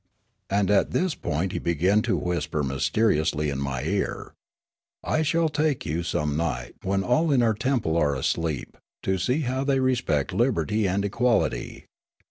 And at this point he began to whisper mysteriously in my ear. " I shall take you some night, when all in our temple are asleep, to see how they respect liberty and equality.